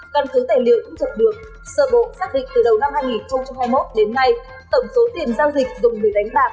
căn cứ tài liệu thu thập được sơ bộ xác định từ đầu năm hai nghìn hai mươi một đến nay tổng số tiền giao dịch dùng để đánh bạc